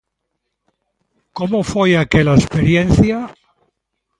Como foi aquela experiencia?